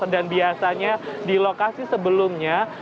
dan biasanya di lokasi sebelumnya